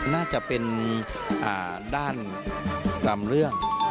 น่าจะเป็นด้านลำเรื่อง